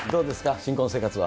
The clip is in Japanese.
新婚生活は？